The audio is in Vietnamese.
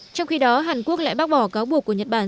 trong khi đó hàn quốc lại bác bỏ cáo buộc của nhật bản